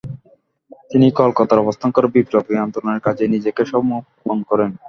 তিনি কলকাতায় অবস্থান করে বিপ্লবী আন্দোলনের কাজে নিজেকে সমর্পণ করেন।